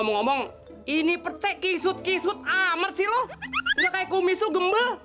bang ini petek kisut kisut amat sih loh nggak kayak kumisu gembel